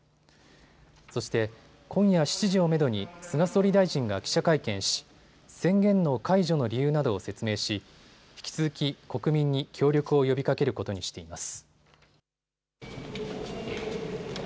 そして、今夜７時をめどに菅総理大臣が記者会見し宣言の解除の理由などを説明し引き続き、国民に協力を呼びかけることにしています。